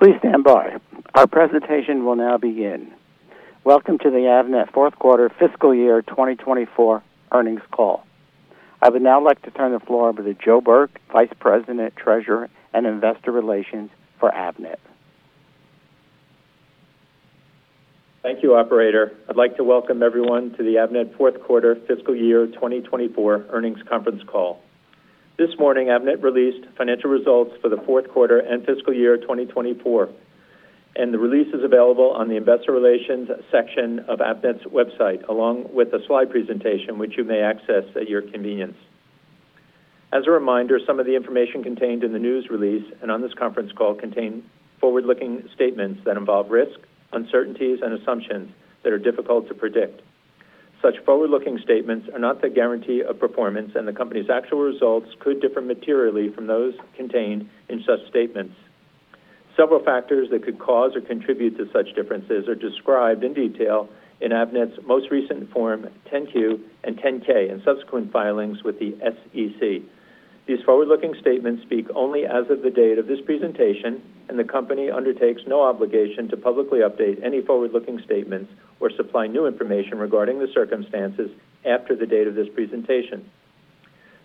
Please stand by. Our presentation will now begin. Welcome to the Avnet fourth quarter fiscal year 2024 earnings call. I would now like to turn the floor over to Joe Burke, Vice President, Treasurer, and Investor Relations for Avnet. Thank you, operator. I'd like to welcome everyone to the Avnet fourth quarter fiscal year 2024 earnings conference call. This morning, Avnet released financial results for the fourth quarter and fiscal year 2024, and the release is available on the investor relations section of Avnet's website, along with a slide presentation, which you may access at your convenience. As a reminder, some of the information contained in the news release and on this conference call contain forward-looking statements that involve risks, uncertainties, and assumptions that are difficult to predict. Such forward-looking statements are not a guarantee of performance, and the Company's actual results could differ materially from those contained in such statements. Several factors that could cause or contribute to such differences are described in detail in Avnet's most recent Form 10-Q and 10-K, and subsequent filings with the SEC. These forward-looking statements speak only as of the date of this presentation, and the Company undertakes no obligation to publicly update any forward-looking statements or supply new information regarding the circumstances after the date of this presentation.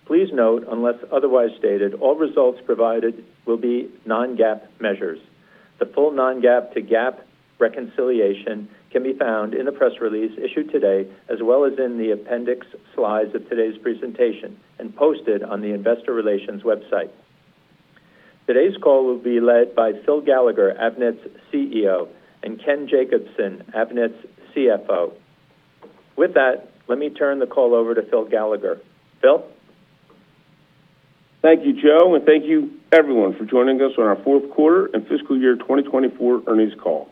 Please note, unless otherwise stated, all results provided will be non-GAAP measures. The full non-GAAP to GAAP reconciliation can be found in the press release issued today, as well as in the appendix slides of today's presentation and posted on the investor relations website. Today's call will be led by Phil Gallagher, Avnet's CEO, and Ken Jacobson, Avnet's CFO. With that, let me turn the call over to Phil Gallagher. Phil? Thank you, Joe, and thank you, everyone, for joining us on our fourth quarter and fiscal year 2024 earnings call.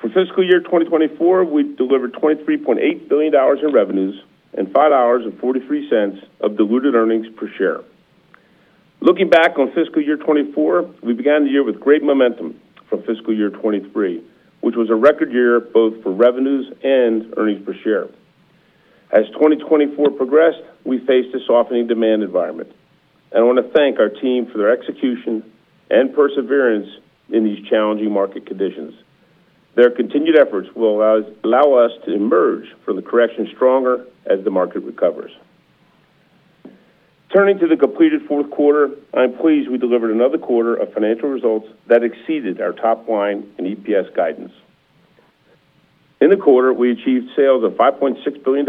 For fiscal year 2024, we delivered $23.8 billion in revenues and $5.43 of diluted earnings per share. Looking back on fiscal year 2024, we began the year with great momentum from fiscal year 2023, which was a record year both for revenues and earnings per share. As 2024 progressed, we faced a softening demand environment, and I want to thank our team for their execution and perseverance in these challenging market conditions. Their continued efforts will allow us, allow us to emerge from the correction stronger as the market recovers. Turning to the completed fourth quarter, I'm pleased we delivered another quarter of financial results that exceeded our top line and EPS guidance. In the quarter, we achieved sales of $5.6 billion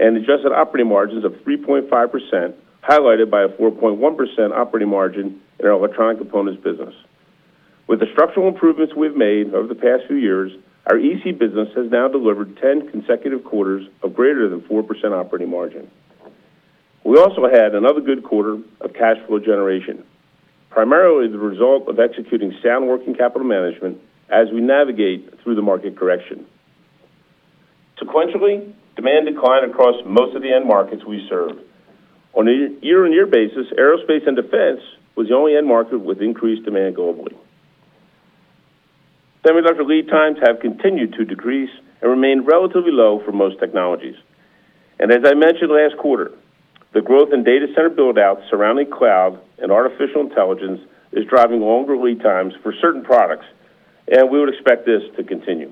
and adjusted operating margins of 3.5%, highlighted by a 4.1% operating margin in our electronic components business. With the structural improvements we've made over the past few years, our EC business has now delivered 10 consecutive quarters of greater than 4% operating margin. We also had another good quarter of cash flow generation, primarily the result of executing sound working capital management as we navigate through the market correction. Sequentially, demand declined across most of the end markets we serve. On a year-on-year basis, aerospace and defense was the only end market with increased demand globally. Semiconductor lead times have continued to decrease and remain relatively low for most technologies. As I mentioned last quarter, the growth in data center build-outs surrounding cloud and artificial intelligence is driving longer lead times for certain products, and we would expect this to continue.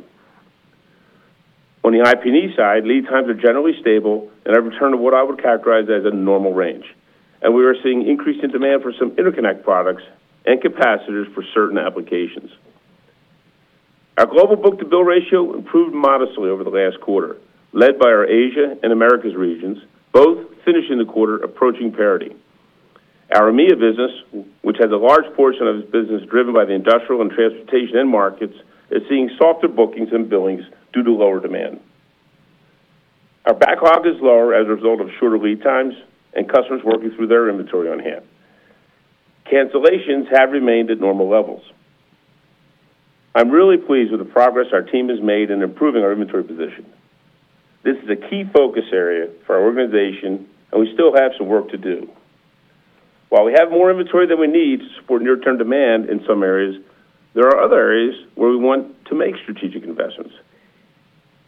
On the IP&E side, lead times are generally stable and have returned to what I would characterize as a normal range, and we are seeing an increase in demand for some interconnect products and capacitors for certain applications. Our global book-to-bill ratio improved modestly over the last quarter, led by our Asia and Americas regions, both finishing the quarter approaching parity. Our EMEA business, which has a large portion of its business driven by the industrial and transportation end markets, is seeing softer bookings and billings due to lower demand. Our backlog is lower as a result of shorter lead times and customers working through their inventory on hand. Cancellations have remained at normal levels. I'm really pleased with the progress our team has made in improving our inventory position. This is a key focus area for our organization, and we still have some work to do. While we have more inventory than we need to support near-term demand in some areas, there are other areas where we want to make strategic investments.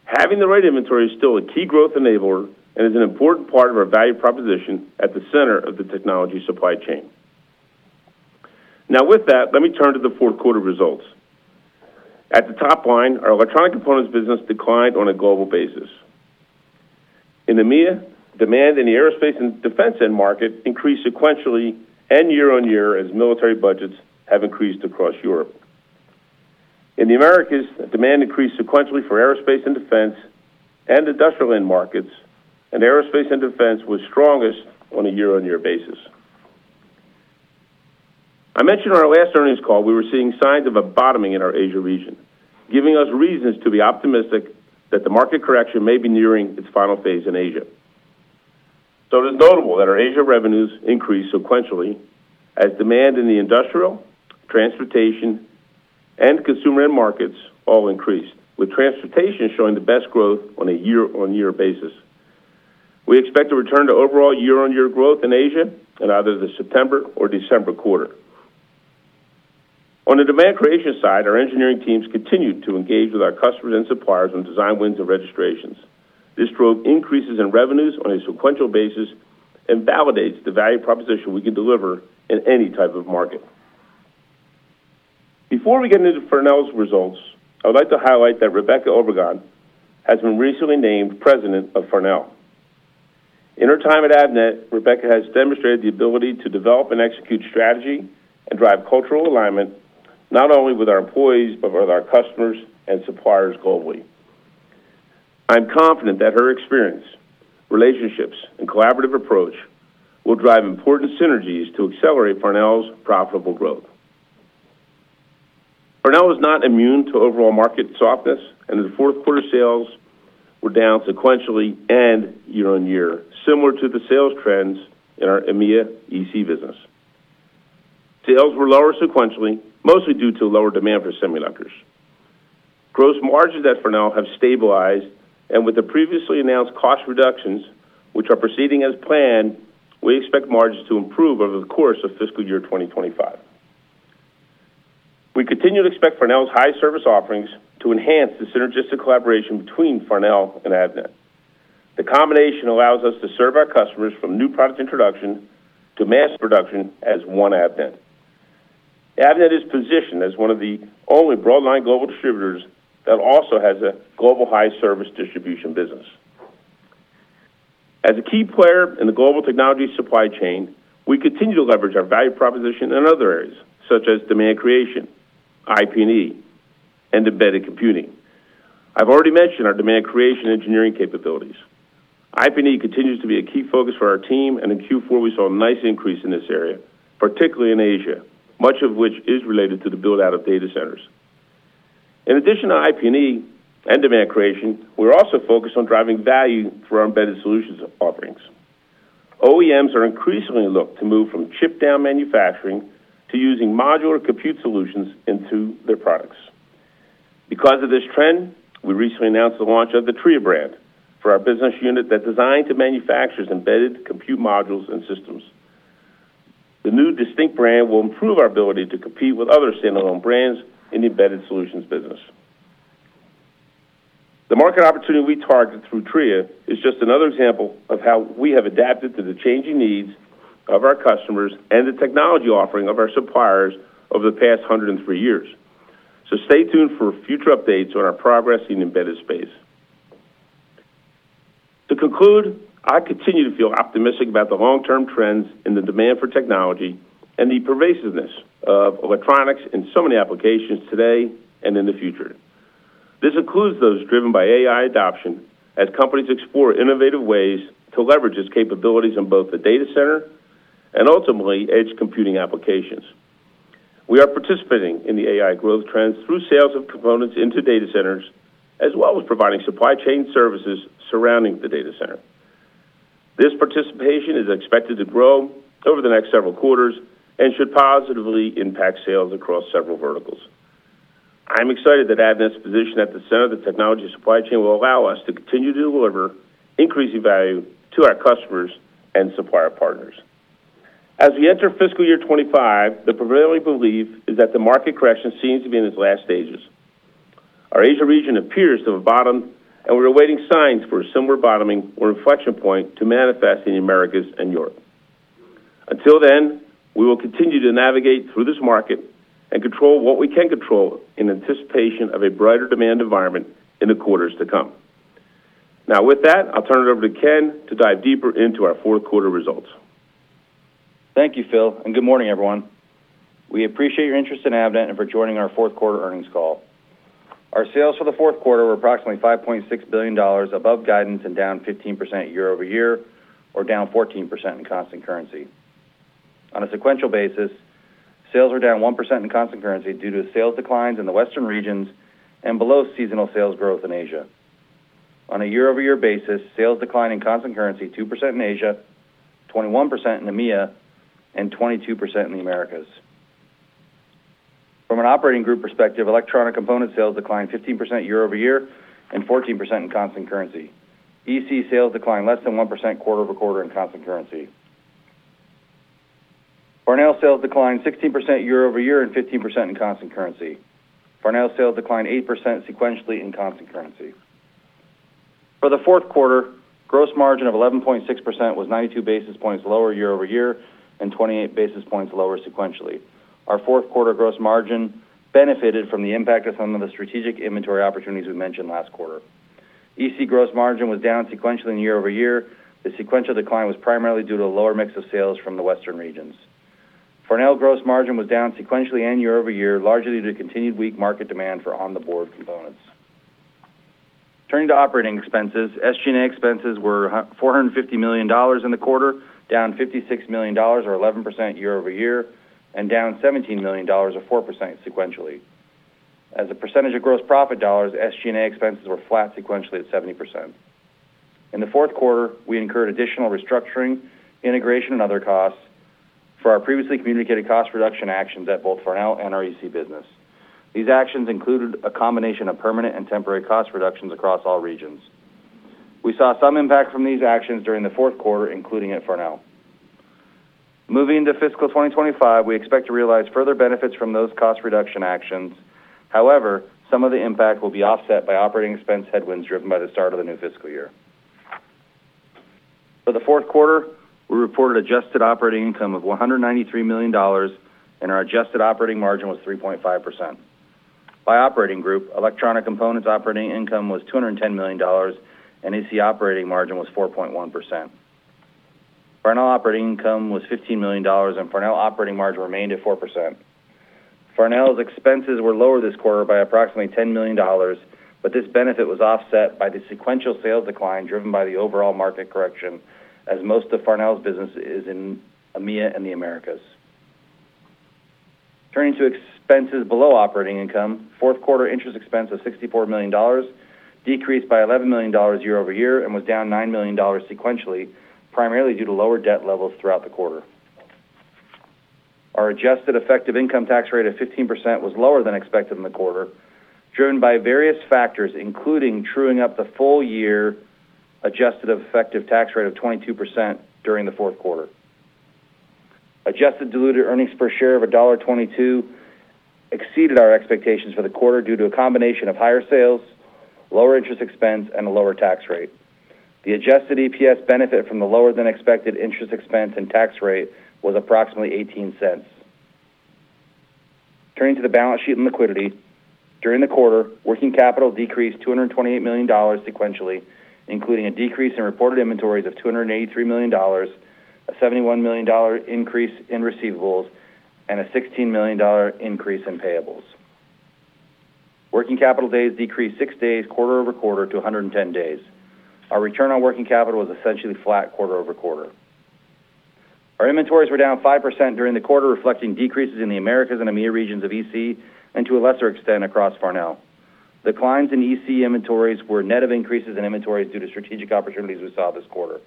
Having the right inventory is still a key growth enabler and is an important part of our value proposition at the center of the technology supply chain. Now, with that, let me turn to the fourth quarter results. At the top line, our electronic components business declined on a global basis. In EMEA, demand in the aerospace and defense end market increased sequentially and year-over-year as military budgets have increased across Europe. In the Americas, demand increased sequentially for aerospace and defense and industrial end markets, and aerospace and defense was strongest on a year-over-year basis. I mentioned in our last earnings call, we were seeing signs of a bottoming in our Asia region, giving us reasons to be optimistic that the market correction may be nearing its final phase in Asia. So it is notable that our Asia revenues increased sequentially as demand in the industrial, transportation, and consumer end markets all increased, with transportation showing the best growth on a year-over-year basis. We expect to return to overall year-over-year growth in Asia in either the September or December quarter. On the demand creation side, our engineering teams continued to engage with our customers and suppliers on design wins and registrations. This drove increases in revenues on a sequential basis that validates the value proposition we can deliver in any type of market. Before we get into Farnell's results, I would like to highlight that Rebecca Obregon has been recently named President of Farnell. In her time at Avnet, Rebecca has demonstrated the ability to develop and execute strategy and drive cultural alignment, not only with our employees, but with our customers and suppliers globally. I'm confident that her experience, relationships, and collaborative approach will drive important synergies to accelerate Farnell's profitable growth. Farnell was not immune to overall market softness, and in the fourth quarter, sales were down sequentially and year-on-year, similar to the sales trends in our EMEA EC business. Sales were lower sequentially, mostly due to lower demand for semiconductors. Gross margins at Farnell have stabilized, and with the previously announced cost reductions, which are proceeding as planned, we expect margins to improve over the course of fiscal year 2025. We continue to expect Farnell's high service offerings to enhance the synergistic collaboration between Farnell and Avnet. The combination allows us to serve our customers from new product introduction to mass production as one Avnet. Avnet is positioned as one of the only broadline global distributors that also has a global high service distribution business. As a key player in the global technology supply chain, we continue to leverage our value proposition in other areas, such as demand creation, IP&E, and embedded computing. I've already mentioned our demand creation engineering capabilities. IP&E continues to be a key focus for our team, and in Q4, we saw a nice increase in this area, particularly in Asia, much of which is related to the build-out of data centers. In addition to IP&E and demand creation, we're also focused on driving value for our embedded solutions offerings. OEMs are increasingly looking to move from chip-down manufacturing to using modular compute solutions into their products. Because of this trend, we recently announced the launch of the Tria brand for our business unit that designs and manufactures embedded compute modules and systems. The new distinct brand will improve our ability to compete with other standalone brands in the embedded solutions business. The market opportunity we target through Tria is just another example of how we have adapted to the changing needs of our customers and the technology offering of our suppliers over the past 103 years. So stay tuned for future updates on our progress in the embedded space. To conclude, I continue to feel optimistic about the long-term trends in the demand for technology and the pervasiveness of electronics in so many applications today and in the future. This includes those driven by AI adoption, as companies explore innovative ways to leverage its capabilities in both the data center and ultimately, edge computing applications. We are participating in the AI growth trends through sales of components into data centers, as well as providing supply chain services surrounding the data center. This participation is expected to grow over the next several quarters and should positively impact sales across several verticals. I'm excited that Avnet's position at the center of the technology supply chain will allow us to continue to deliver increasing value to our customers and supplier partners. As we enter fiscal year 25, the prevailing belief is that the market correction seems to be in its last stages. Our Asia region appears to have bottomed, and we're awaiting signs for a similar bottoming or inflection point to manifest in the Americas and Europe. Until then, we will continue to navigate through this market and control what we can control in anticipation of a brighter demand environment in the quarters to come. Now, with that, I'll turn it over to Ken to dive deeper into our fourth quarter results. Thank you, Phil, and good morning, everyone. We appreciate your interest in Avnet and for joining our fourth quarter earnings call. Our sales for the fourth quarter were approximately $5.6 billion, above guidance and down 15% year-over-year, or down 14% in constant currency. On a sequential basis, sales were down 1% in constant currency due to sales declines in the Western regions and below seasonal sales growth in Asia. On a year-over-year basis, sales declined in constant currency, 2% in Asia, 21% in EMEA, and 22% in the Americas. From an operating group perspective, electronic component sales declined 15% year-over-year and 14% in constant currency. EC sales declined less than 1% quarter-over-quarter in constant currency. Farnell sales declined 16% year-over-year and 15% in constant currency. Farnell sales declined 8% sequentially in constant currency. For the fourth quarter, gross margin of 11.6% was 92 basis points lower year-over-year and 28 basis points lower sequentially. Our fourth quarter gross margin benefited from the impact of some of the strategic inventory opportunities we mentioned last quarter. EC gross margin was down sequentially and year-over-year. The sequential decline was primarily due to a lower mix of sales from the Western regions. Farnell gross margin was down sequentially and year-over-year, largely due to continued weak market demand for on-the-board components. Turning to operating expenses, SG&A expenses were $450 million in the quarter, down $56 million or 11% year-over-year, and down $17 million or 4% sequentially. As a percentage of gross profit dollars, SG&A expenses were flat sequentially at 70%. In the fourth quarter, we incurred additional restructuring, integration, and other costs for our previously communicated cost reduction actions at both Farnell and our EC business. These actions included a combination of permanent and temporary cost reductions across all regions. We saw some impact from these actions during the fourth quarter, including at Farnell. Moving into fiscal 2025, we expect to realize further benefits from those cost reduction actions. However, some of the impact will be offset by operating expense headwinds driven by the start of the new fiscal year. For the fourth quarter, we reported adjusted operating income of $193 million, and our adjusted operating margin was 3.5%. By operating group, Electronic Components operating income was $210 million, and EC operating margin was 4.1%. Farnell operating income was $15 million, and Farnell operating margin remained at 4%. Farnell's expenses were lower this quarter by approximately $10 million, but this benefit was offset by the sequential sales decline, driven by the overall market correction, as most of Farnell's business is in EMEA and the Americas. Turning to expenses below operating income, fourth quarter interest expense of $64 million decreased by $11 million year-over-year and was down $9 million sequentially, primarily due to lower debt levels throughout the quarter. Our adjusted effective income tax rate of 15% was lower than expected in the quarter, driven by various factors, including truing up the full year adjusted effective tax rate of 22% during the fourth quarter. Adjusted diluted earnings per share of $1.22 exceeded our expectations for the quarter due to a combination of higher sales, lower interest expense, and a lower tax rate. The adjusted EPS benefit from the lower than expected interest expense and tax rate was approximately $0.18. Turning to the balance sheet and liquidity. During the quarter, working capital decreased $228 million sequentially, including a decrease in reported inventories of $283 million, a $71 million increase in receivables, and a $16 million increase in payables. Working capital days decreased 6 days quarter-over-quarter to 110 days. Our return on working capital was essentially flat quarter-over-quarter. Our inventories were down 5% during the quarter, reflecting decreases in the Americas and EMEA regions of EC, and to a lesser extent, across Farnell. Declines in EC inventories were net of increases in inventories due to strategic opportunities we saw this quarter.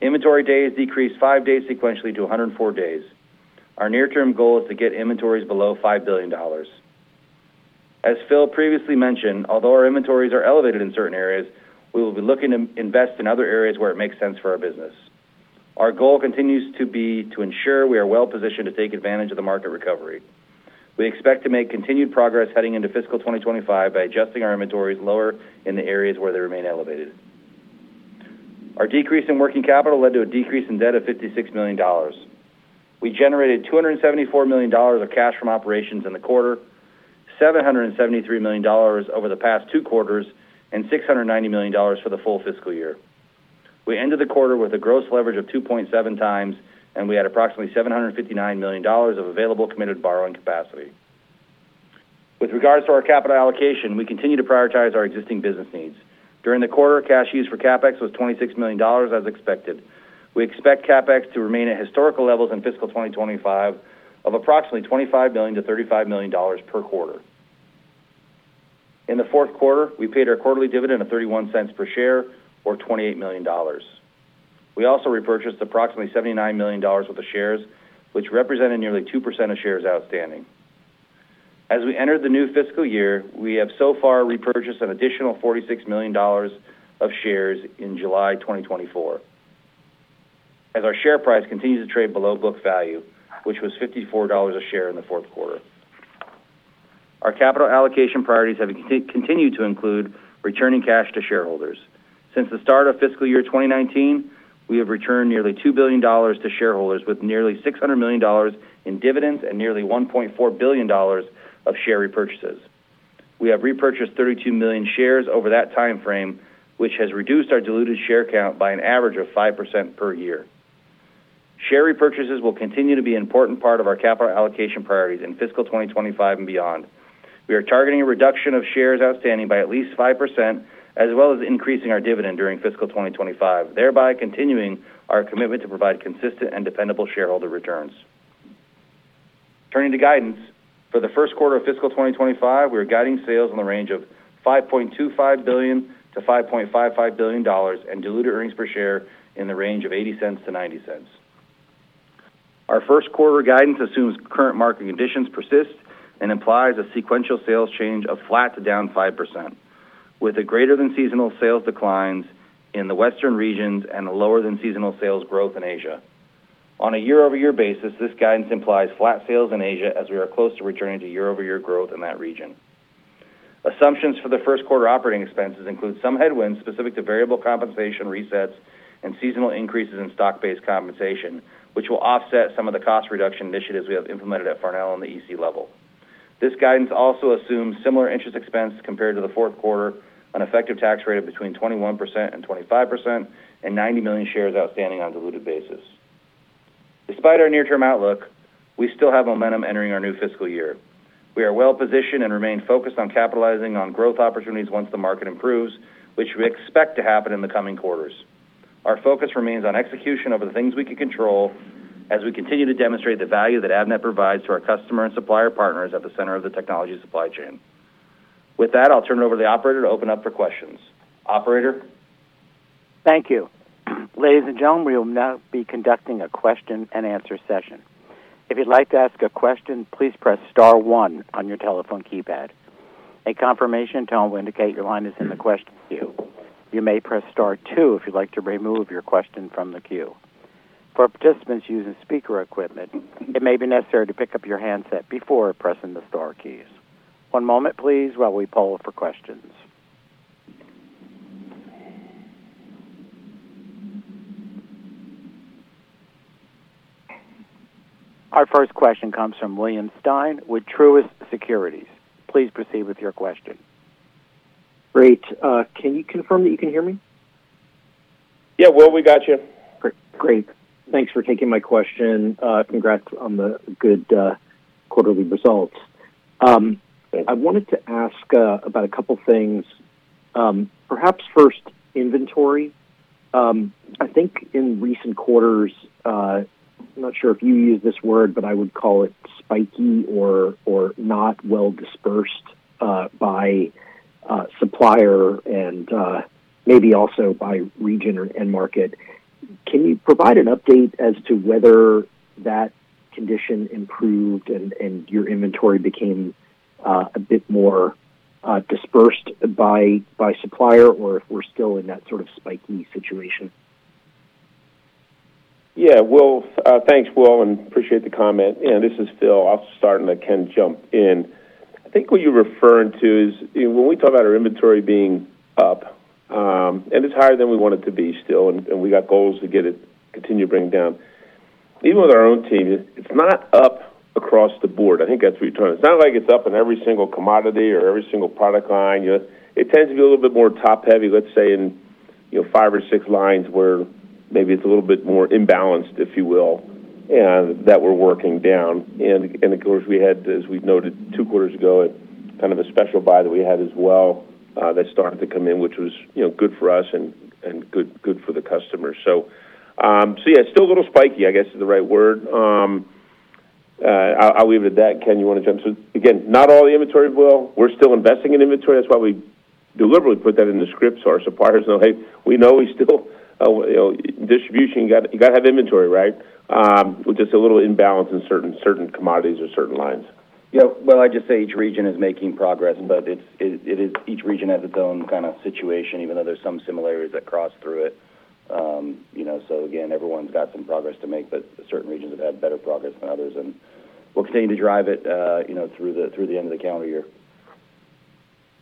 Inventory days decreased 5 days sequentially to 104 days. Our near-term goal is to get inventories below $5 billion. As Phil previously mentioned, although our inventories are elevated in certain areas, we will be looking to invest in other areas where it makes sense for our business. Our goal continues to be to ensure we are well positioned to take advantage of the market recovery. We expect to make continued progress heading into fiscal 2025 by adjusting our inventories lower in the areas where they remain elevated. Our decrease in working capital led to a decrease in debt of $56 million. We generated $274 million of cash from operations in the quarter, $773 million over the past two quarters, and $690 million for the full fiscal year. We ended the quarter with a gross leverage of 2.7 times, and we had approximately $759 million of available committed borrowing capacity. With regard to our capital allocation, we continue to prioritize our existing business needs. During the quarter, cash use for CapEx was $26 million as expected. We expect CapEx to remain at historical levels in fiscal 2025 of approximately $25 million-$35 million per quarter. In the fourth quarter, we paid our quarterly dividend of $0.31 per share or $28 million. We also repurchased approximately $79 million worth of shares, which represented nearly 2% of shares outstanding. As we enter the new fiscal year, we have so far repurchased an additional $46 million of shares in July 2024. As our share price continues to trade below book value, which was $54 a share in the fourth quarter, our capital allocation priorities have continued to include returning cash to shareholders. Since the start of fiscal year 2019, we have returned nearly $2 billion to shareholders, with nearly $600 million in dividends and nearly $1.4 billion of share repurchases. We have repurchased 32 million shares over that time frame, which has reduced our diluted share count by an average of 5% per year. Share repurchases will continue to be an important part of our capital allocation priorities in fiscal 2025 and beyond. We are targeting a reduction of shares outstanding by at least 5%, as well as increasing our dividend during fiscal 2025, thereby continuing our commitment to provide consistent and dependable shareholder returns. Turning to guidance. For the first quarter of fiscal 2025, we are guiding sales in the range of $5.25 billion-$5.55 billion and diluted earnings per share in the range of $0.80-$0.90. Our first quarter guidance assumes current market conditions persist and implies a sequential sales change of flat to down 5%, with a greater than seasonal sales declines in the western regions and a lower than seasonal sales growth in Asia. On a year-over-year basis, this guidance implies flat sales in Asia as we are close to returning to year-over-year growth in that region. Assumptions for the first quarter operating expenses include some headwinds specific to variable compensation resets and seasonal increases in stock-based compensation, which will offset some of the cost reduction initiatives we have implemented at Farnell on the EC level. This guidance also assumes similar interest expense compared to the fourth quarter, an effective tax rate of between 21% and 25%, and 90 million shares outstanding on diluted basis. Despite our near-term outlook, we still have momentum entering our new fiscal year. We are well positioned and remain focused on capitalizing on growth opportunities once the market improves, which we expect to happen in the coming quarters. Our focus remains on execution over the things we can control as we continue to demonstrate the value that Avnet provides to our customer and supplier partners at the center of the technology supply chain. With that, I'll turn it over to the operator to open up for questions. Operator? Thank you. Ladies and gentlemen, we will now be conducting a question-and-answer session. If you'd like to ask a question, please press star one on your telephone keypad. A confirmation tone will indicate your line is in the question queue. You may press star two if you'd like to remove your question from the queue. For participants using speaker equipment, it may be necessary to pick up your handset before pressing the star keys. One moment, please, while we poll for questions. Our first question comes from William Stein with Truist Securities. Please proceed with your question. Great. Can you confirm that you can hear me? Yeah, Will, we got you. Great. Thanks for taking my question. Congrats on the good quarterly results. Thank you. I wanted to ask about a couple things. Perhaps first, inventory. I think in recent quarters, I'm not sure if you used this word, but I would call it spiky or not well dispersed by supplier and maybe also by region or end market. Can you provide an update as to whether that condition improved and your inventory became a bit more dispersed by supplier, or if we're still in that sort of spiky situation? Yeah. Will, thanks, Will, and appreciate the comment. And this is Phil. I'll start, and let Ken jump in. I think what you're referring to is, when we talk about our inventory being up, and it's higher than we want it to be still, and we got goals to get it continue to bring down. Even with our own team, it's not up across the board. I think that's what you're talking... It's not like it's up in every single commodity or every single product line. You know, it tends to be a little bit more top-heavy, let's say, in, you know, five or six lines where maybe it's a little bit more imbalanced, if you will, and that we're working down. And of course, we had, as we've noted two quarters ago, kind of a special buy that we had as well, that started to come in, which was, you know, good for us and good for the customer. So, yeah, it's still a little spiky, I guess, is the right word. I'll leave it at that. Ken, you want to jump in? So again, not all the inventory, Will. We're still investing in inventory. That's why we deliberately put that in the script, so our suppliers know, hey, we know we still, you know, distribution, you gotta have inventory, right? But just a little imbalance in certain commodities or certain lines. Yeah, well, I'd just say each region is making progress, but it is each region has its own kind of situation, even though there's some similarities that cross through it. You know, so again, everyone's got some progress to make, but certain regions have had better progress than others, and we're continuing to drive it, you know, through the end of the calendar year.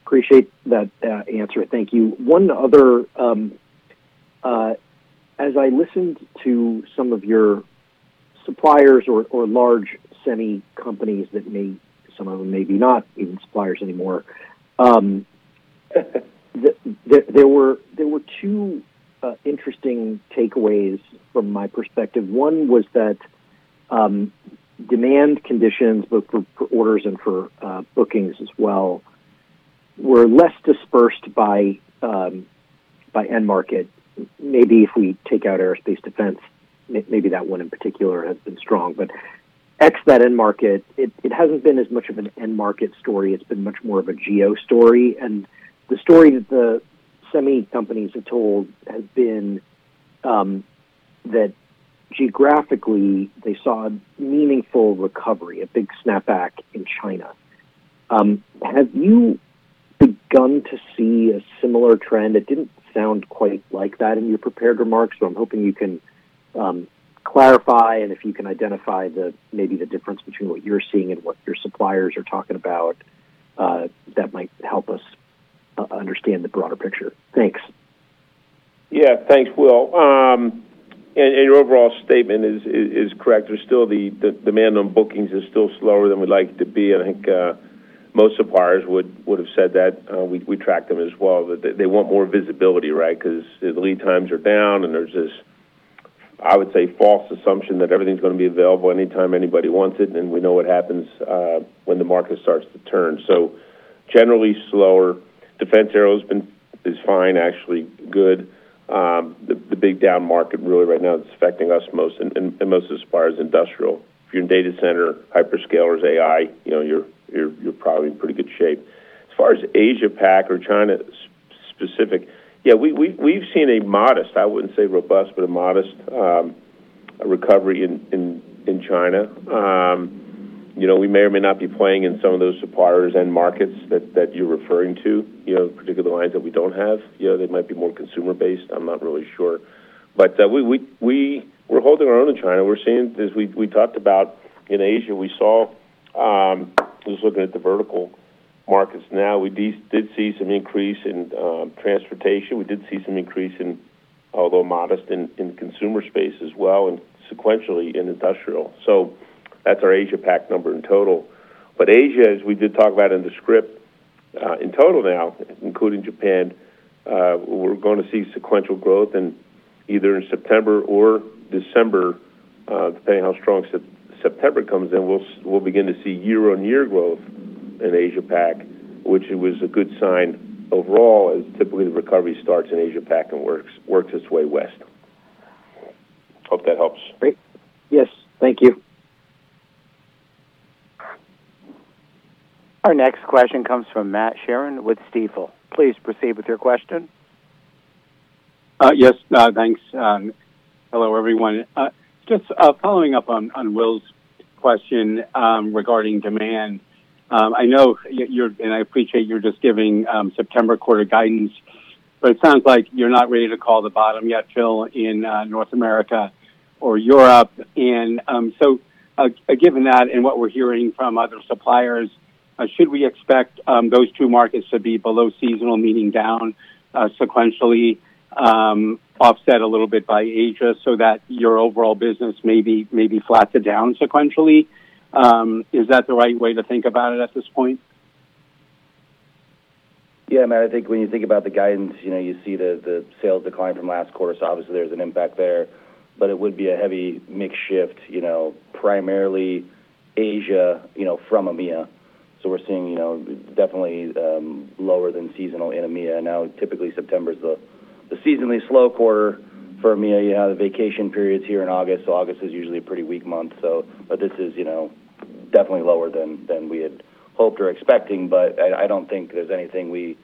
Appreciate that, answer. Thank you. One other, as I listened to some of your suppliers or large semi companies that may, some of them may be not even suppliers anymore, there were two interesting takeaways from my perspective. One was that, demand conditions, both for orders and for bookings as well, were less dispersed by end market. Maybe if we take out aerospace defense, that one in particular has been strong. But ex that end market, it hasn't been as much of an end market story, it's been much more of a geo story. And the story that the semi companies have told has been, that geographically, they saw a meaningful recovery, a big snapback in China. Have you begun to see a similar trend? It didn't sound quite like that in your prepared remarks, so I'm hoping you can clarify, and if you can identify the, maybe the difference between what you're seeing and what your suppliers are talking about, that might help us understand the broader picture. Thanks. Yeah. Thanks, Will. And your overall statement is correct. There's still the demand on bookings is still slower than we'd like it to be. I think most suppliers would have said that. We track them as well. They want more visibility, right? Because the lead times are down, and there's this, I would say, false assumption that everything's going to be available anytime anybody wants it, and we know what happens when the market starts to turn. So generally slower. Defense aero's fine, actually good. The big down market really right now that's affecting us most and most as far as industrial. If you're in data center, hyperscalers, AI, you know, you're probably in pretty good shape. As far as Asia Pac or China specific, yeah, we, we've seen a modest, I wouldn't say robust, but a modest, recovery in China. You know, we may or may not be playing in some of those suppliers and markets that you're referring to, you know, particular lines that we don't have. You know, they might be more consumer based, I'm not really sure. But, we're holding our own in China. We're seeing, as we talked about in Asia, we saw, just looking at the vertical markets now, we did see some increase in transportation. We did see some increase in, although modest, consumer space as well, and sequentially in industrial. So that's our Asia Pac number in total. But Asia, as we did talk about in the script, in total now, including Japan, we're going to see sequential growth and either in September or December, depending how strong September comes in, we'll begin to see year-on-year growth in Asia Pac, which it was a good sign overall, as typically the recovery starts in Asia Pac and works its way west. Hope that helps. Great. Yes. Thank you. Our next question comes from Matt Sheerin with Stifel. Please proceed with your question. Yes, thanks. Hello, everyone. Just following up on Will's question regarding demand. I know, and I appreciate, you're just giving September quarter guidance, but it sounds like you're not ready to call the bottom yet, Phil, in North America or Europe. And so, given that and what we're hearing from other suppliers, should we expect those two markets to be below seasonal, meaning down sequentially, offset a little bit by Asia so that your overall business may be, maybe flat to down sequentially? Is that the right way to think about it at this point? Yeah, Matt, I think when you think about the guidance, you know, you see the sales decline from last quarter, so obviously there's an impact there, but it would be a heavy mix shift, you know, primarily Asia, you know, from EMEA. So we're seeing, you know, definitely lower than seasonal in EMEA. Now, typically, September is the seasonally slow quarter for EMEA. You have the vacation periods here in August, so August is usually a pretty weak month. So, but this is, you know, definitely lower than we had hoped or expecting, but I don't think there's anything we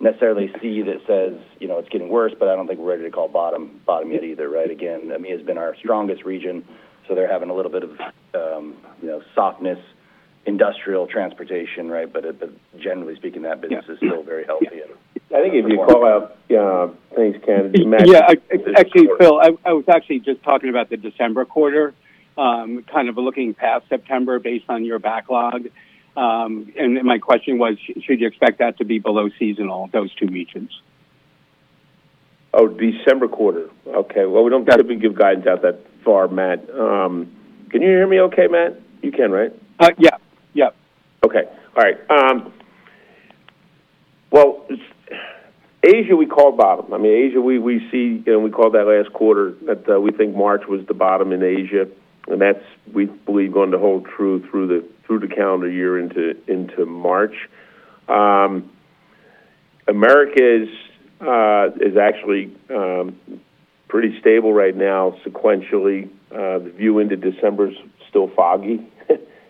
necessarily see that says, you know, it's getting worse, but I don't think we're ready to call bottom yet either, right? Again, EMEA has been our strongest region, so they're having a little bit of, you know, softness, industrial transportation, right? But generally speaking, that business is still very healthy. I think if you call out, thanks, Ken. Yeah, actually, Phil, I was actually just talking about the December quarter, kind of looking past September based on your backlog. And my question was, should you expect that to be below seasonal, those two regions? Oh, December quarter. Okay, well, we don't typically give guidance out that far, Matt. Can you hear me okay, Matt? You can, right? Yeah. Yeah. Okay. All right, well, Asia, we call bottom. I mean, Asia, we, we see, you know, we called that last quarter, that we think March was the bottom in Asia, and that's, we believe, going to hold true through the, through the calendar year into, into March. America is, is actually, pretty stable right now sequentially. The view into December is still foggy,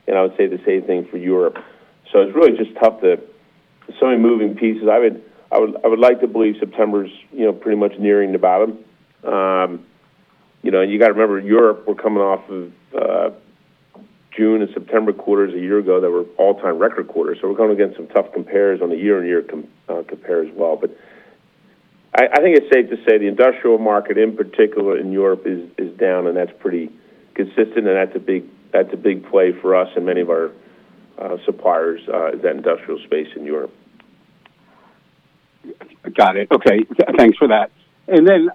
and I would say the same thing for Europe. So it's really just tough. So many moving pieces. I would, I would, I would like to believe September's, you know, pretty much nearing the bottom. You know, you got to remember, Europe, we're coming off of, June and September quarters a year ago that were all-time record quarters. So we're going against some tough compares on the year-on-year compare as well. But I think it's safe to say the industrial market, in particular in Europe, is down, and that's pretty consistent, and that's a big play for us and many of our suppliers is that industrial space in Europe. Got it. Okay, thanks for that. And then,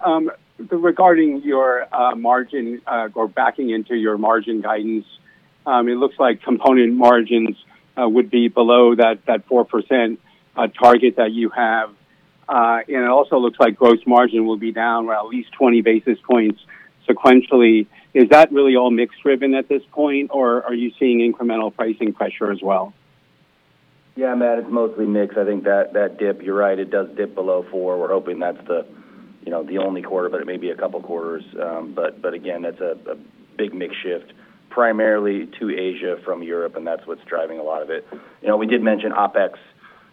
regarding your margin, or backing into your margin guidance, it looks like component margins would be below that 4% target that you have. And it also looks like gross margin will be down by at least 20 basis points sequentially. Is that really all mix driven at this point, or are you seeing incremental pricing pressure as well? Yeah, Matt, it's mostly mix. I think that dip, you're right, it does dip below 4. We're hoping that's the, you know, the only quarter, but it may be a couple of quarters. But again, that's a big mix shift, primarily to Asia from Europe, and that's what's driving a lot of it. You know, we did mention OpEx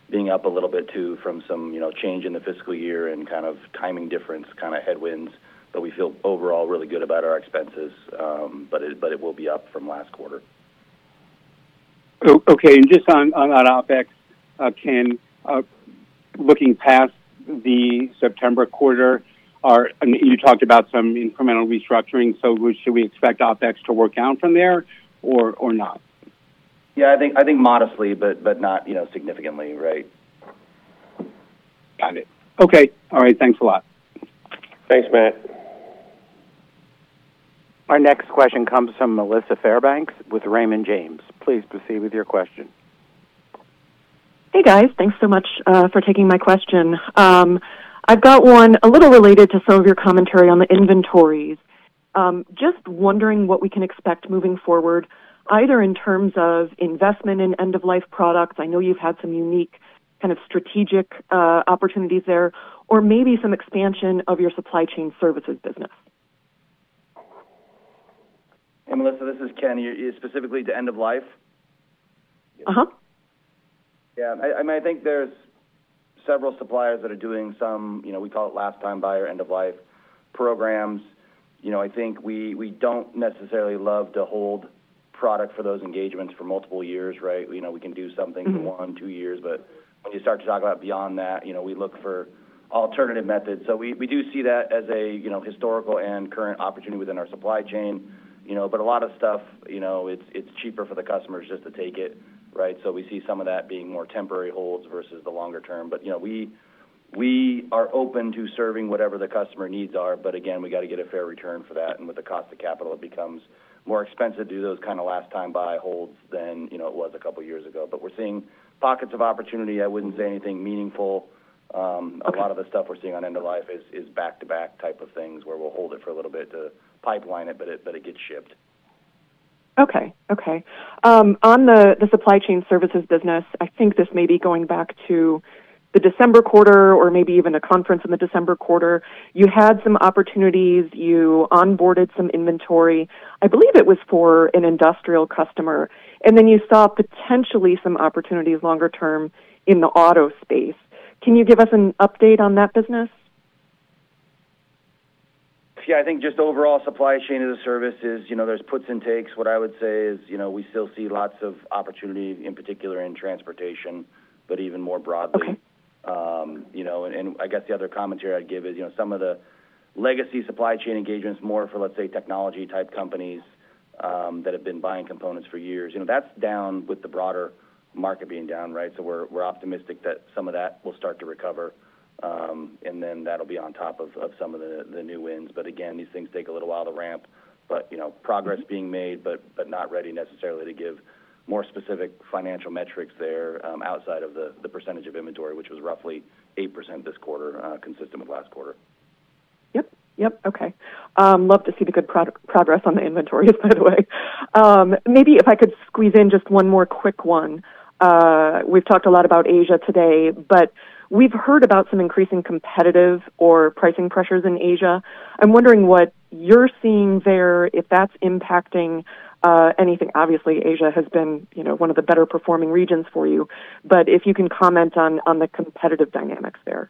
being up a little bit, too, from some, you know, change in the fiscal year and kind of timing difference, kind of headwinds. But we feel overall really good about our expenses, but it will be up from last quarter. Okay, and just on that OpEx, Ken, looking past the September quarter, and you talked about some incremental restructuring, so should we expect OpEx to work down from there or not? Yeah, I think modestly, but not, you know, significantly, right. Got it. Okay. All right. Thanks a lot. Thanks, Matt. Our next question comes from Melissa Fairbanks with Raymond James. Please proceed with your question. Hey, guys. Thanks so much for taking my question. I've got one a little related to some of your commentary on the inventories. Just wondering what we can expect moving forward, either in terms of investment in end-of-life products. I know you've had some unique kind of strategic opportunities there, or maybe some expansion of your supply chain services business. Hey, Melissa, this is Ken. Specifically to end-of-life? Uh-huh. Yeah, I mean, I think there's several suppliers that are doing some, you know, we call it last time buy or end-of-life programs. You know, I think we, we don't necessarily love to hold product for those engagements for multiple years, right? You know, we can do something for one, two years, but when you start to talk about beyond that, you know, we look for alternative methods. So we, we do see that as a, you know, historical and current opportunity within our supply chain, you know. But a lot of stuff, you know, it's, it's cheaper for the customers just to take it, right? So we see some of that being more temporary holds versus the longer term. But, you know, we, we are open to serving whatever the customer needs are. But again, we got to get a fair return for that, and with the cost of capital, it becomes more expensive to do those kind of last time buy holds than, you know, it was a couple of years ago. But we're seeing pockets of opportunity. I wouldn't say anything meaningful. A lot of the stuff we're seeing on end-of-life is back-to-back type of things, where we'll hold it for a little bit to pipeline it, but it gets shipped. Okay. Okay. On the supply chain services business, I think this may be going back to the December quarter, or maybe even a conference in the December quarter, you had some opportunities. You onboarded some inventory, I believe it was for an industrial customer, and then you saw potentially some opportunities longer term in the auto space. Can you give us an update on that business? Yeah, I think just overall supply chain as a service is, you know, there's puts and takes. What I would say is, you know, we still see lots of opportunity, in particular in transportation, but even more broadly. Okay. You know, and I guess the other commentary I'd give is, you know, some of the legacy supply chain engagements, more for, let's say, technology-type companies, that have been buying components for years, you know, that's down with the broader market being down, right? So we're optimistic that some of that will start to recover. And then that'll be on top of some of the new wins. But again, these things take a little while to ramp, but you know, progress being made, but not ready necessarily to give more specific financial metrics there, outside of the percentage of inventory, which was roughly 8% this quarter, consistent with last quarter. Yep, yep. Okay. Love to see the good progress on the inventories, by the way. Maybe if I could squeeze in just one more quick one. We've talked a lot about Asia today, but we've heard about some increasing competitive or pricing pressures in Asia. I'm wondering what you're seeing there, if that's impacting anything. Obviously, Asia has been, you know, one of the better-performing regions for you, but if you can comment on the competitive dynamics there.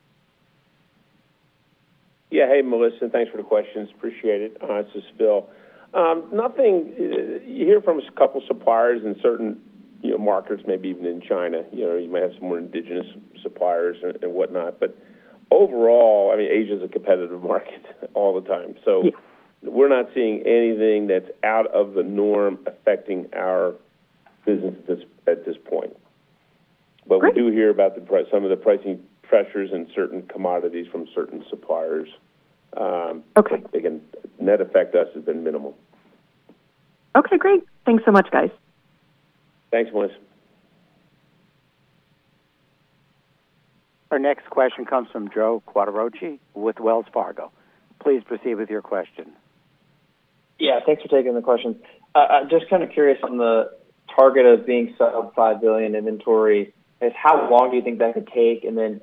Yeah. Hey, Melissa, thanks for the questions. Appreciate it. This is Phil. You hear from a couple suppliers in certain, you know, markets, maybe even in China, you know, you may have some more indigenous suppliers and, and whatnot, but overall, I mean, Asia is a competitive market all the time. So we're not seeing anything that's out of the norm affecting our business at this, at this point. Great. We do hear about the price, some of the pricing pressures in certain commodities from certain suppliers. Okay. Again, net effect has been minimal. Okay, great. Thanks so much, guys. Thanks, Melissa. Our next question comes from Joe Quatrochi with Wells Fargo. Please proceed with your question. Yeah, thanks for taking the question. I'm just kind of curious on the target of being set up $5 billion inventory. Is how long do you think that could take? And then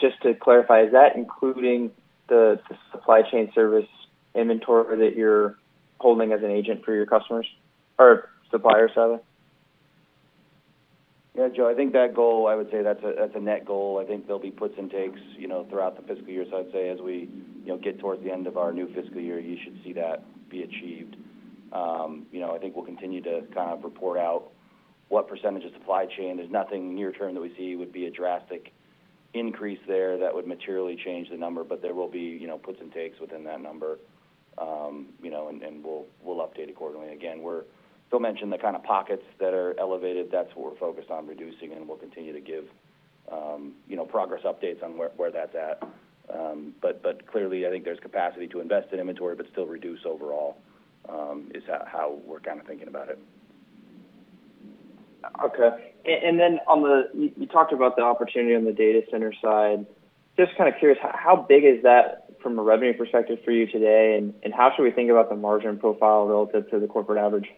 just to clarify, is that including the supply chain service inventory that you're holding as an agent for your customers or supplier, sorry? Yeah, Joe, I think that goal, I would say that's a, that's a net goal. I think there'll be puts and takes, you know, throughout the fiscal year. So I'd say as we, you know, get towards the end of our new fiscal year, you should see that be achieved. You know, I think we'll continue to kind of report out what percentage of supply chain. There's nothing near term that we see would be a drastic increase there that would materially change the number, but there will be, you know, puts and takes within that number. You know, and, and we'll, we'll update it accordingly. Again, we're still monitoring the kind of pockets that are elevated. That's what we're focused on reducing, and we'll continue to give, you know, progress updates on where, where that's at. But clearly, I think there's capacity to invest in inventory, but still reduce overall, is how we're kind of thinking about it. Okay. And then on the. You talked about the opportunity on the data center side. Just kind of curious, how big is that from a revenue perspective for you today, and how should we think about the margin profile relative to the corporate average?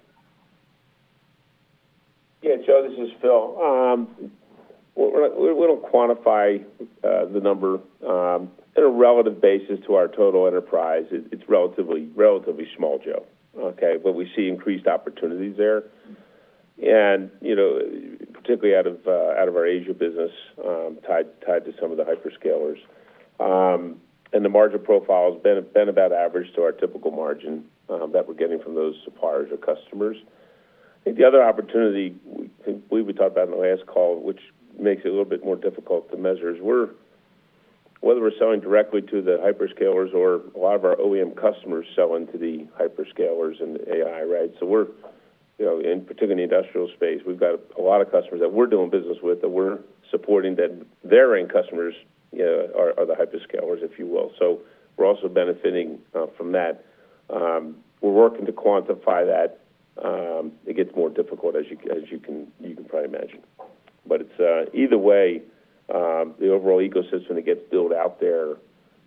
Yeah, Joe, this is Phil. We don't quantify the number at a relative basis to our total enterprise. It's relatively small, Joe. Okay? But we see increased opportunities there, and you know, particularly out of our Asia business, tied to some of the hyperscalers. And the margin profile has been about average to our typical margin that we're getting from those suppliers or customers. I think the other opportunity, I think we would talk about in the last call, which makes it a little bit more difficult to measure, is whether we're selling directly to the hyperscalers or a lot of our OEM customers selling to the hyperscalers and AI, right? So we're, you know, in particularly industrial space, we've got a lot of customers that we're doing business with, that we're supporting, that their end customers are the hyperscalers, if you will. So we're also benefiting from that. We're working to quantify that. It gets more difficult, as you can probably imagine. But it's either way, the overall ecosystem that gets built out there,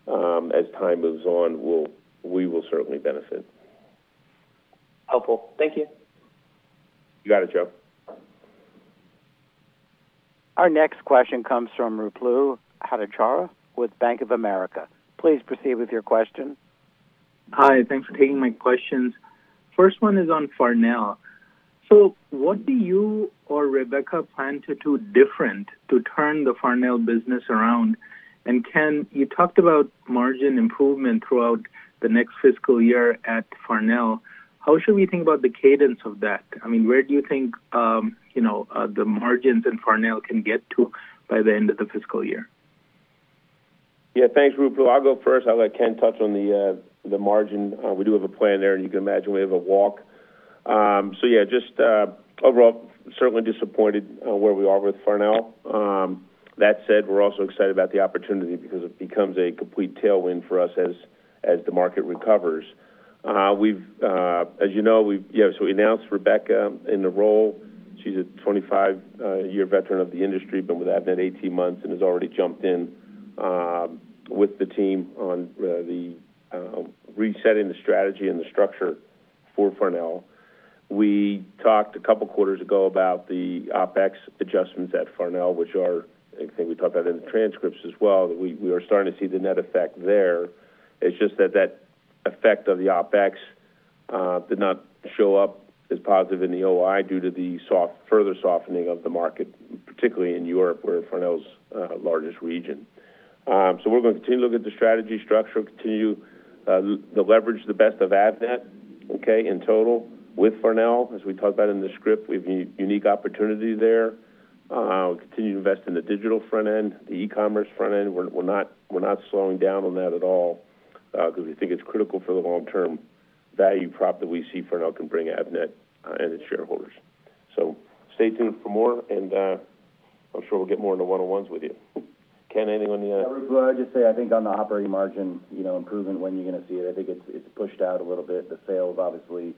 as time moves on, we will certainly benefit. Helpful. Thank you. You got it, Joe. Our next question comes from Ruplu Bhattacharya with Bank of America. Please proceed with your question. Hi, thanks for taking my questions. First one is on Farnell. So what do you or Rebecca plan to do different to turn the Farnell business around? And Ken, you talked about margin improvement throughout the next fiscal year at Farnell. How should we think about the cadence of that? I mean, where do you think, you know, the margins in Farnell can get to by the end of the fiscal year? Yeah, thanks, Ruplu. I'll go first. I'll let Ken touch on the margin. We do have a plan there, and you can imagine we have a walk. So yeah, just overall, certainly disappointed where we are with Farnell. That said, we're also excited about the opportunity because it becomes a complete tailwind for us as the market recovers. We've, as you know, we've. Yeah, so we announced Rebecca in the role. She's a 25-year veteran of the industry, been with Avnet 18 months and has already jumped in with the team on the resetting the strategy and the structure for Farnell. We talked a couple quarters ago about the OpEx adjustments at Farnell, which are, I think we talked about in the transcripts as well, that we are starting to see the net effect there. It's just that that effect of the OpEx did not show up as positive in the OI due to the further softening of the market, particularly in Europe, where Farnell's largest region. So we're gonna continue to look at the strategy structure, continue the leverage, the best of Avnet, okay? In total, with Farnell, as we talked about in the script, we have a unique opportunity there. We'll continue to invest in the digital front end, the e-commerce front end. We're, we're not, we're not slowing down on that at all, because we think it's critical for the long-term value prop that we see Farnell can bring Avnet, and its shareholders. So stay tuned for more, and, I'm sure we'll get more into one-on-ones with you. Ken, anything on the other? Well, I'll just say, I think on the operating margin, you know, improvement, when you're gonna see it, I think it's pushed out a little bit. The sales obviously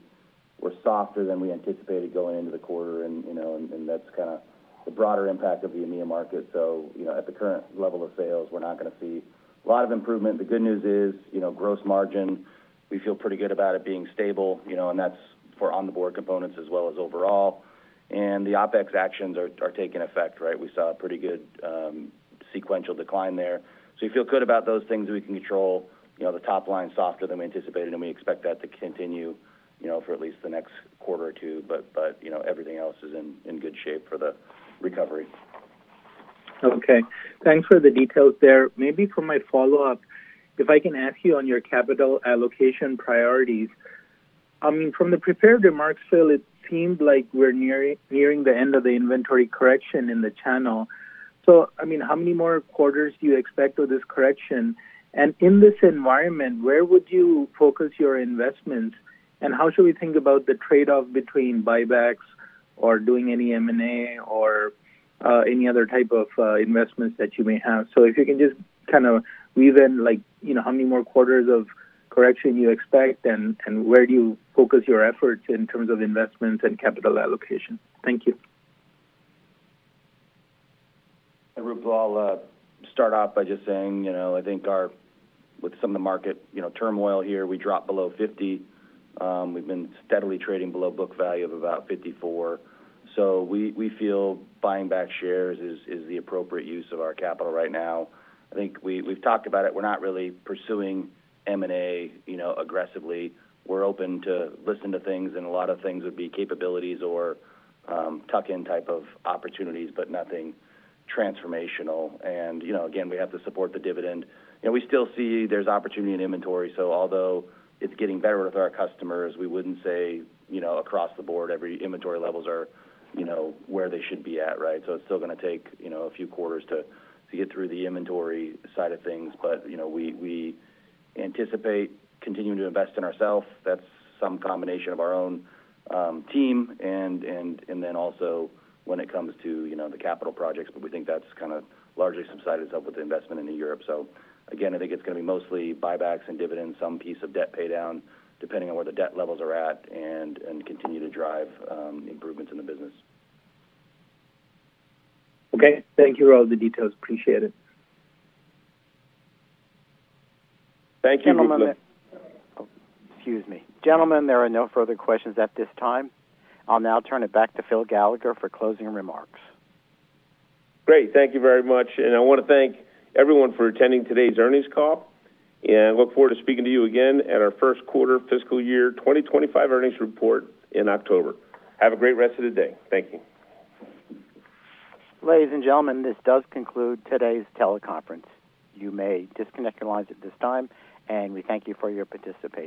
were softer than we anticipated going into the quarter, and, you know, that's kind of the broader impact of the EMEA market. So, you know, at the current level of sales, we're not gonna see a lot of improvement. The good news is, you know, gross margin, we feel pretty good about it being stable, you know, and that's for on the board components as well as overall. And the OpEx actions are taking effect, right? We saw a pretty good sequential decline there. So we feel good about those things we can control. You know, the top line, softer than we anticipated, and we expect that to continue, you know, for at least the next quarter or two. But, you know, everything else is in good shape for the recovery. Okay. Thanks for the details there. Maybe for my follow-up, if I can ask you on your capital allocation priorities. I mean, from the prepared remarks, Phil, it seemed like we're nearing, nearing the end of the inventory correction in the channel. So, I mean, how many more quarters do you expect of this correction? And in this environment, where would you focus your investments, and how should we think about the trade-off between buybacks or doing any M&A or any other type of investments that you may have? So if you can just kind of weave in, like, you know, how many more quarters of correction you expect, and where do you focus your efforts in terms of investments and capital allocation? Thank you. Ruplu, I'll start off by just saying, you know, I think with some of the market, you know, turmoil here, we dropped below $50. We've been steadily trading below book value of about $54. So we feel buying back shares is the appropriate use of our capital right now. I think we've talked about it. We're not really pursuing M&A, you know, aggressively. We're open to listen to things, and a lot of things would be capabilities or tuck-in type of opportunities, but nothing transformational. And, you know, again, we have to support the dividend. And we still see there's opportunity in inventory, so although it's getting better with our customers, we wouldn't say, you know, across the board, every inventory levels are, you know, where they should be at, right? So it's still gonna take, you know, a few quarters to get through the inventory side of things. But, you know, we anticipate continuing to invest in ourselves. That's some combination of our own team, and then also when it comes to, you know, the capital projects, but we think that's kind of largely subsided itself with the investment in Europe. So again, I think it's gonna be mostly buybacks and dividends, some piece of debt paydown, depending on where the debt levels are at, and continue to drive improvements in the business. Okay. Thank you for all the details. Appreciate it. Thank you, Ruplu. Excuse me. Gentlemen, there are no further questions at this time. I'll now turn it back to Phil Gallagher for closing remarks. Great. Thank you very much, and I want to thank everyone for attending today's earnings call, and look forward to speaking to you again at our first quarter fiscal year 2025 earnings report in October. Have a great rest of the day. Thank you. Ladies and gentlemen, this does conclude today's teleconference. You may disconnect your lines at this time, and we thank you for your participation.